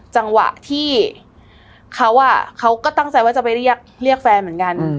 จังหวะที่เขาเขาก็ตั้งใจว่าจะไปเรียกแฟนเหมือนกัน